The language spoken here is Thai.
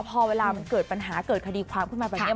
พอเวลามันเกิดปัญหาเกิดคดีความขึ้นมาแบบนี้